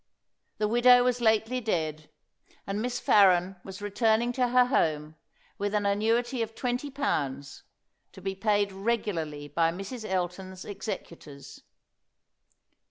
The widow was lately dead, and Miss Farren was returning to her home with an annuity of twenty pounds, to be paid regularly by Mrs. Elton's executors.